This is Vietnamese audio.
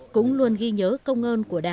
cũng luôn ghi nhớ công ơn của đảng